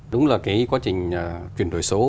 đúng là cái quá trình chuyển đổi số